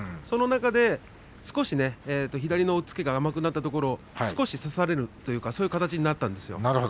その中で、少し左の押っつけが甘くなったところを少し差されるというかそういう形になったんですよ。